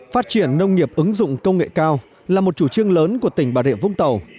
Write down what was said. phát triển nông nghiệp ứng dụng công nghệ cao là một chủ trương lớn của tỉnh bà rịa vũng tàu